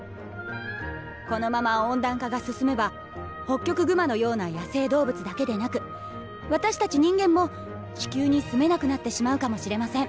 このまま温暖化が進めばホッキョクグマのような野生動物だけでなく私たち人間も地球に住めなくなってしまうかもしれません。